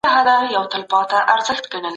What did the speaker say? کومي هیلي موږ خپل لوړ انساني هدف ته نږدې کوي؟